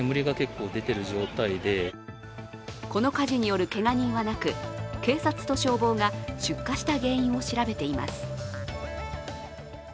この火事によるけが人はなく、警察と消防が出火した原因を調べています。